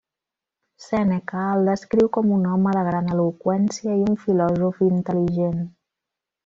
Sèneca el descriu com un home de gran eloqüència i un filòsof intel·ligent.